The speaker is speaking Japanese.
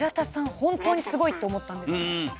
本当にすごいと思ったんです。